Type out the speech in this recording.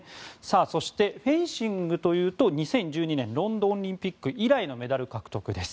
そしてフェンシングというと２０１２年ロンドンオリンピック以来のメダル獲得です。